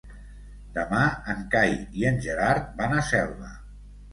Demà en Cai i en Gerard van a Selva.